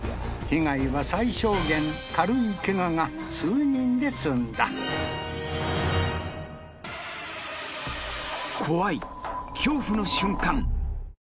被害は最小限軽いケガが数人で済んだ恐怖の瞬間